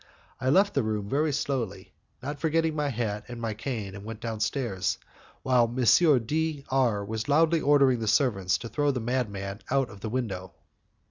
I left the room very slowly, not forgetting my hat and my cane, and went downstairs, while M. D R was loudly ordering the servants to throw the madman out of the window.